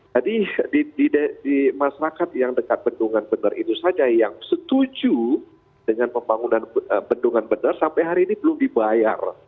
jadi di masyarakat yang dekat bendungan bener itu saja yang setuju dengan pembangunan bendungan bener sampai hari ini belum dibayar